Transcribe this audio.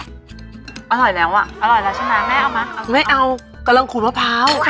อร่อยแล้วอ่ะอร่อยแล้วใช่ไหมแม่เอาไหมไม่เอากำลังขูดมะพร้าว